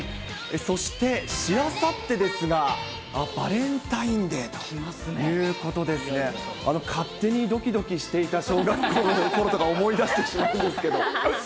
そしてしあさってですが、バレンタインデーということで、勝手にどきどきしていた小学校のころとか思い出してしまうんですけど。